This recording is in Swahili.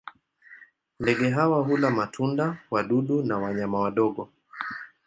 Ndege hawa hula matunda, wadudu na wanyama wadogo.